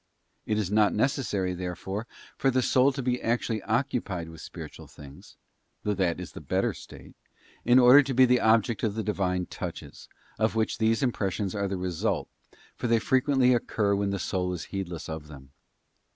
It is not necessary, therefore, for the soul to be actually occupied The Spirit with spiritual things — though thatis the better state —in where He order to be the object of the Divine touches, of which these impressions are the result, for they frequently occur when the soul is heedless of them.